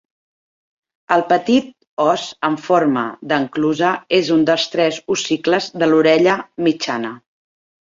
El petit os amb forma d'enclusa és un dels tres ossicles de l'orella mitjana.